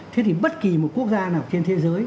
thế thì bất kỳ một quốc gia nào trên thế giới